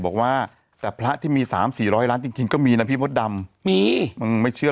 บอกว่าแต่พระที่มีสามสี่ร้อยล้านจริงจริงก็มีนะพี่มดดำมีมึงไม่เชื่อ